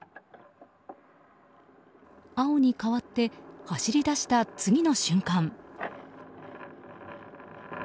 青に変わって、走り出した次の瞬間。